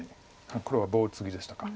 黒は棒ツギでしたか。